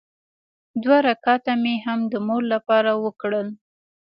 دوه رکعته مې هم د مور لپاره وکړل.